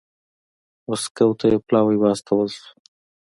مسکو ته یو پلاوی واستول شو